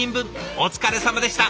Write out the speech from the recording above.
お疲れさまでした！